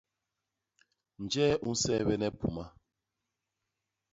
Njee u nseebene puma?